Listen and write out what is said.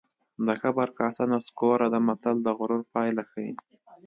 د کبر کاسه نسکوره ده متل د غرور پایله ښيي